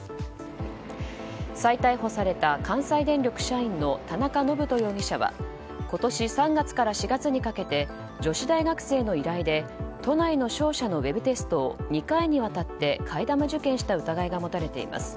再逮捕された関西電力社員の田中信人容疑者は今年３月から４月にかけて女子大学生の依頼で都内の商社のウェブテストを２回にわたって替え玉受験した疑いが持たれています。